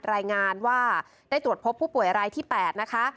รายงานว่าได้ตรวจพบผู้ป่วยรายที่๘นะคะ